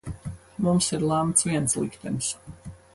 Mums ir lemts viens liktenis.